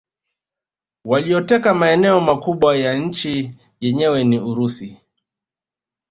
Walioteka maeneo makubwa ya nchi yenyewe ya Urusi